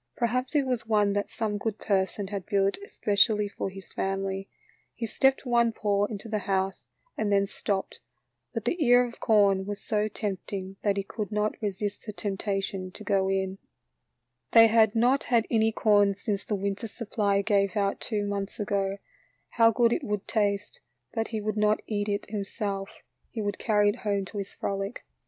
Perhaps it was one that some good person had built especially for his family. He stepped one paw into the house and then stopped, but the ear of corn was so tempting that he could not resist the temptation to go in. They had WHAT A CUTE LITTLE HOUSE IT WAS. BILLY WILSON'S BOX TRAP. 77 not had any corn since the winter supply gave out two months ago. How good it would taste ; but he would not eat it himself, he would carry it home to his Frolic.